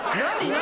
何？